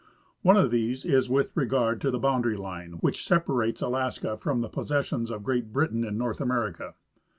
One of these is with regard to the boundary line which separates Alaska from the possessions of Great Britain in North America.